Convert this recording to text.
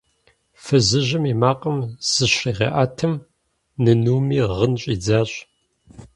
Фызыжьым и макъым зыщригъэӀэтым, нынуми гъын щӀидзащ.